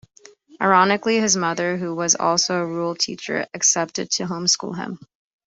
Ironically, his mother, who was also a rural teacher, accepted to home-school him.